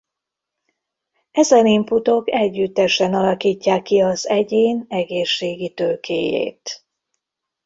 Ezen inputok együttesen alakítják ki az egyén egészségi tőkéjét.